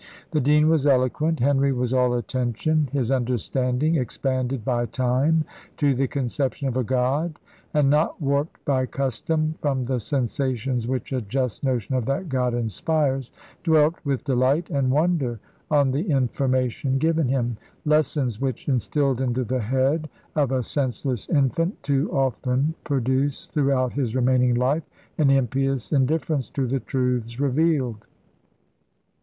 The dean was eloquent, Henry was all attention; his understanding, expanded by time to the conception of a God and not warped by custom from the sensations which a just notion of that God inspires dwelt with delight and wonder on the information given him lessons which, instilled into the head of a senseless infant, too often produce, throughout his remaining life, an impious indifference to the truths revealed.